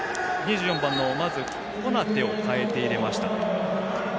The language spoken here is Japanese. まず、２４番のコナテを代えて入れました。